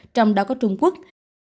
trong đó có trung quốc